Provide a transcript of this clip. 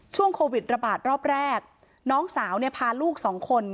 ช่วงโควิดระบาดรอบแรกน้องสาวเนี่ยพาลูกสองคน